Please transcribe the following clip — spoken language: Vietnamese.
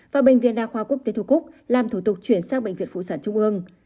và bệnh viện đa khoa quốc tế thu cúc làm thủ tục chuyển sang bệnh viện phụ sản trung ương